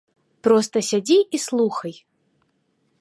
Проста сядзі і слухай.